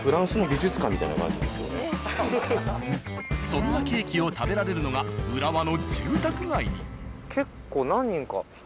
そんなケーキを食べられるのが浦和の住宅街に。